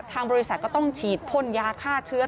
ทางบริษัทก็ต้องฉีดพ่นยาฆ่าเชื้อ